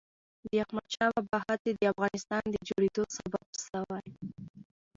د احمد شاه بابا هڅې د افغانستان د جوړېدو سبب سوي.